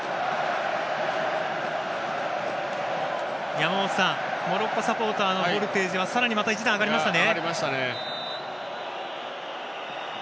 山本さん、モロッコサポーターのボルテージはさらにまた一段、上がりましたね。